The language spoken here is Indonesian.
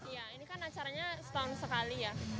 iya ini kan acaranya setahun sekali ya